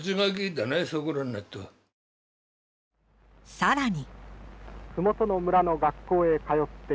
更に。